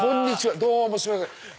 どうもすいません。